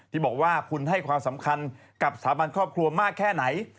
ที่บอกว่าคุณให้ความสำคัญกับสถาบันครอบครัวมากแค่ไหน